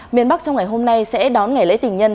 miền bắc trong ngày hôm nay sẽ đón ngày lễ tình nhân